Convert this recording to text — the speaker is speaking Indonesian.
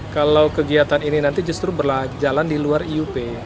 kalau kegiatan ini nanti justru berjalan di luar iup